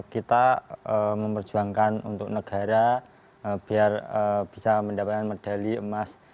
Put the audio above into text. kita memperjuangkan untuk negara biar bisa mendapatkan medali emas